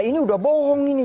ini udah bohong ini